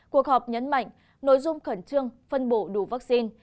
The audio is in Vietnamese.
cuộc họp nhấn mạnh nội dung khẩn trương phân bổ đủ vaccine